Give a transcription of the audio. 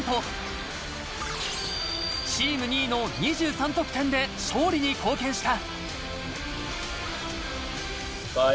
チーム２位の２３得点で勝利に貢献した。